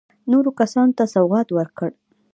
نورو کسانو ته سوغات ورکړ.